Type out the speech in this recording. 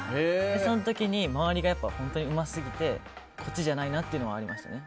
その時に周りがうますぎてこっちじゃないなっていうのはありましたね。